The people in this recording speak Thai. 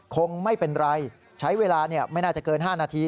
คงไม่เป็นไรใช้เวลาไม่น่าจะเกิน๕นาที